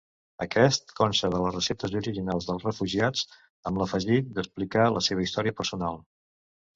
Aquest consta de les receptes originals dels refugiats, amb l'afegit d'explicar la seva història personal.